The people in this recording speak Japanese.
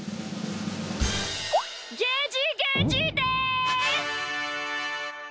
ゲジゲジです！